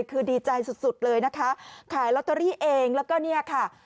คือดีใจสุดสุดเลยนะคะขายลอตเตอรี่เองแล้วก็เนี่ยค่ะ